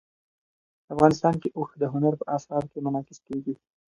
افغانستان کې اوښ د هنر په اثار کې منعکس کېږي.